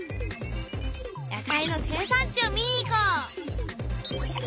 野菜の生産地を見に行こう！